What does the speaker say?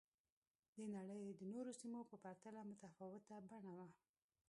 د نړۍ د نورو سیمو په پرتله متفاوته بڼه وه